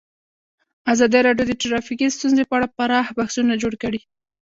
ازادي راډیو د ټرافیکي ستونزې په اړه پراخ بحثونه جوړ کړي.